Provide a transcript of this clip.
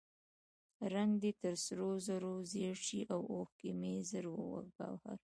رنګ دې تر سرو زرو زیړ شي او اوښکې مې دُر و ګوهر.